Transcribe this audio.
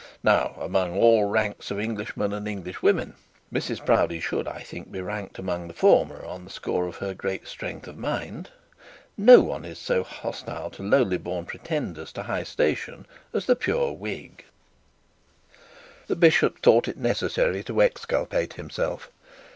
Now among all ranks of Englishmen and Englishwomen (Mrs Proudie should, I think, be ranked among the former, on the score of her great strength of mind), no one is so hostile to lowly born pretenders to high station as the pure Whig. The bishop thought it necessary to exculpate himself.